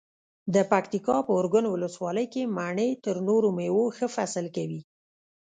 د پکتیکا په ارګون ولسوالۍ کې مڼې تر نورو مېوو ښه فصل کوي.